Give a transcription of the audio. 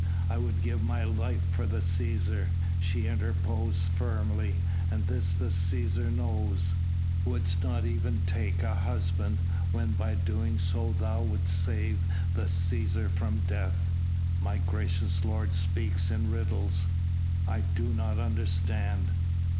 "I would give my life for the Cæsar," she interposed firmly, "and this the Cæsar knows." "Wouldst not even take a husband, when by so doing thou wouldst save the Cæsar from death." "My gracious lord speaks in riddles ... I do not understand."